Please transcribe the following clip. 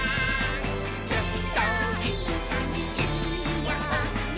「ずっといっしょにいようね」